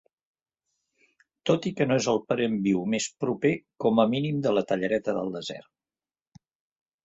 Tot i que no és el parent viu més proper com a mínim de la tallareta del desert.